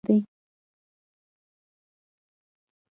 هغه د فاریاب یو معزز مشر دی.